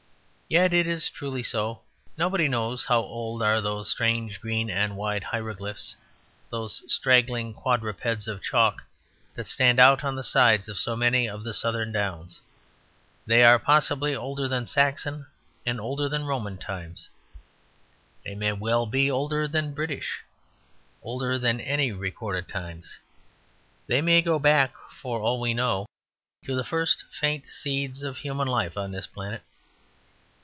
Yet it is truly so. Nobody knows how old are those strange green and white hieroglyphics, those straggling quadrupeds of chalk, that stand out on the sides of so many of the Southern Downs. They are possibly older than Saxon and older than Roman times. They may well be older than British, older than any recorded times. They may go back, for all we know, to the first faint seeds of human life on this planet.